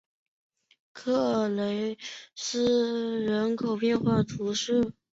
克雷佩人口变化图示